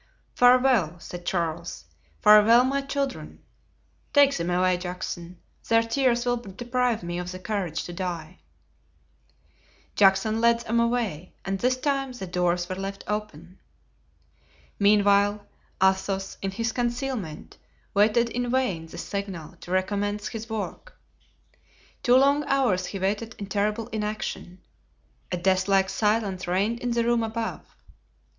"Farewell," said Charles, "farewell, my children. Take them away, Juxon; their tears will deprive me of the courage to die." Juxon led them away, and this time the doors were left open. Meanwhile, Athos, in his concealment, waited in vain the signal to recommence his work. Two long hours he waited in terrible inaction. A deathlike silence reigned in the room above.